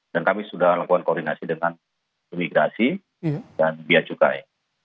dan kami sudah lakukan koordinasi dengan imigrasi dan biaya cukai